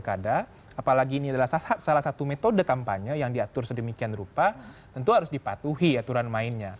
udah kampanye yang diatur sedemikian rupa tentu harus dipatuhi aturan mainnya